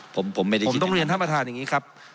ผมผมไม่ได้คิดอย่างนั้นผมต้องเรียนท่านประธานอย่างงี้ครับ